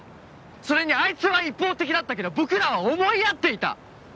それにあいつは一方的だったけど僕らは思い合っていた。